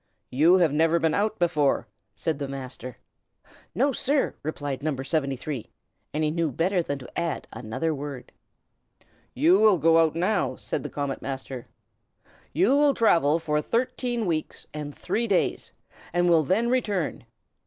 "You have never been out before," said the Master. "No, sir!" replied No. 73; and he knew better than to add another word. "You will go out now," said the Comet Master. "You will travel for thirteen weeks and three days, and will then return.